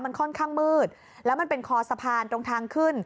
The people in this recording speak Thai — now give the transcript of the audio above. มันค่อนข้างมืดแล้วมันเป็นคอสะพานตรงทางขึ้น